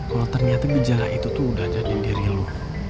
kalo ternyata gejala itu tuh udah jadi diri lo